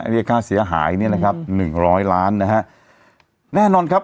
เรียกค่าเสียหายเนี่ยนะครับหนึ่งร้อยล้านนะฮะแน่นอนครับ